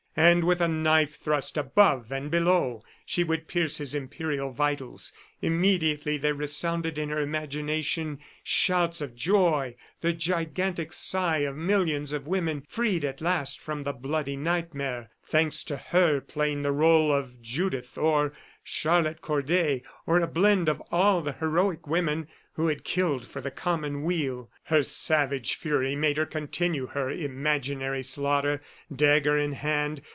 And with a knife thrust above and below, she would pierce his imperial vitals. Immediately there resounded in her imagination, shouts of joy, the gigantic sigh of millions of women freed at last from the bloody nightmare thanks to her playing the role of Judith or Charlotte Corday, or a blend of all the heroic women who had killed for the common weal. Her savage fury made her continue her imaginary slaughter, dagger in hand.